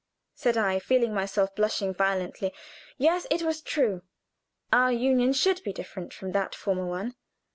said I, feeling myself blushing violently. Yes, it was true. Our union should be different from that former one.